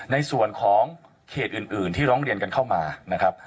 ในส่วนของเขตอื่นที่ร้องเรียนกันเข้ามานะครับ